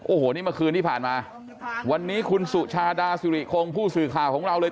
โอ้โหนี่เมื่อคืนที่ผ่านมาวันนี้คุณสุชาดาสุริคงผู้สื่อข่าวของเราเลย